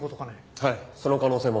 はいその可能性も。